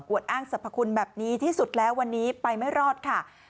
อ้างสรรพคุณแบบนี้ที่สุดแล้ววันนี้ไปไม่รอดค่ะ